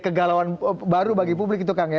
kegalauan baru bagi publik itu kang ya